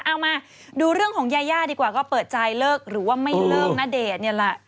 เอามาดูเรื่องของยายาดีกว่าก็เปิดใจเลิกหรือว่าไม่เลิกณเดชน์เนี่ยแหละ